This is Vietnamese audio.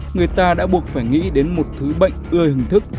người ta đã buộc phải nghĩ đến một thứ bệnh ưa hình thức